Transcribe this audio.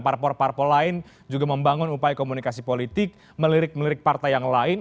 para por por lain juga membangun upaya komunikasi politik melirik melirik partai yang lain